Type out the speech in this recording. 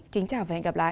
kính chào và hẹn gặp lại